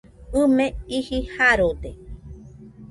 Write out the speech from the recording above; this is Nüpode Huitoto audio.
ɨ me iji Jarode